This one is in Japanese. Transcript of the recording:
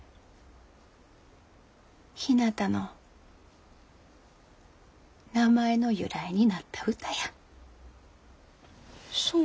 ひなたの名前の由来になった歌や。